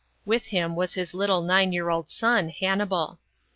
With him was his little nine year old son Hannibal.